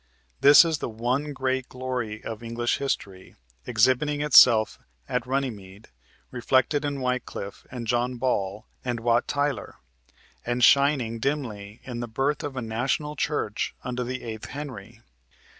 This is the one great glory of English history, exhibiting itself at Runnymede, reflected in Wyclif and John Ball and Wat Tyler, and shining dimly in the birth of a national church under the eighth Henry.